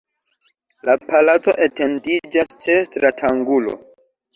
La palaco etendiĝas ĉe stratangulo.